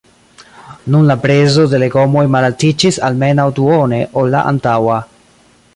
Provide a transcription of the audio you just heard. Nun la prezo de legomoj malaltiĝis almenaŭ duone ol la antaŭa.